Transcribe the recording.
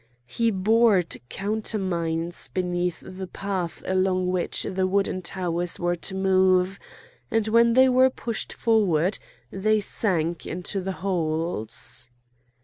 He bored counter mines beneath the path along which the wooden towers were to move, and when they were pushed forward they sank into the holes.